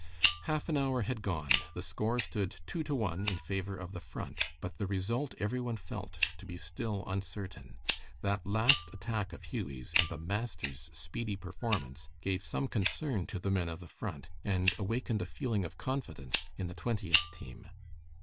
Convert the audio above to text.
Half an hour had gone. The score stood two to one in favor of the Front, but the result every one felt to be still uncertain. That last attack of Hughie's, and the master's speedy performance, gave some concern to the men of the Front, and awakened a feeling of confidence in the Twentieth team.